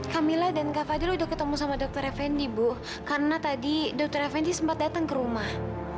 kamila dan kak fadil udah ketemu sama dokter fnd bu karena tadi dokter fnd sempat datang ke rumah